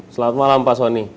selamat malam pak soni